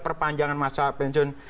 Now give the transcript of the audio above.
perpanjangan masa pensiun